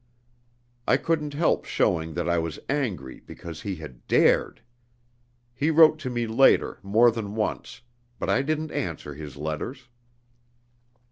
I couldn't help showing that I was angry because he had dared. He wrote to me later, more than once, but I didn't answer his letters.